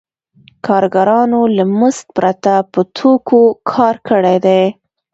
کارګرانو له مزد پرته په توکو کار کړی دی